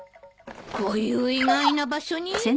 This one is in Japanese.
こういう意外な場所に？